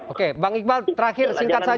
oke bang iqbal terakhir singkat saja